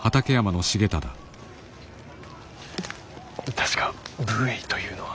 確か武衛というのは。